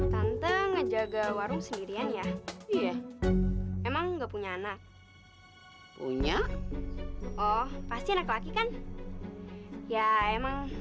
tante ngejaga warung sendirian ya iya emang enggak punya anak punya oh pasti anak laki kan ya emang